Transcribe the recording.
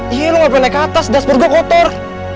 ih lo ga pernah naik ke atas dashboard gue kotor